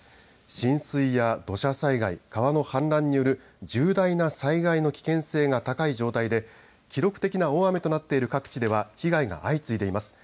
浸水や土砂災害、川の氾濫による重大な災害の危険性が高い状態で記録的な大雨となっている各地では被害が相次いでいます。